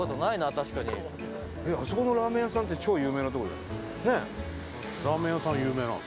伊達：あそこのラーメン屋さんって超有名なところだよね？